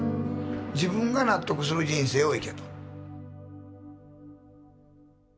自分が納得する人生を行けと。